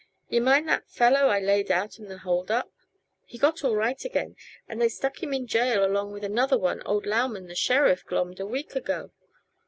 "Yuh mind the fellow I laid out in the hold up? He got all right again, and they stuck him in jail along with another one old Lauman, the sheriff, glommed a week ago.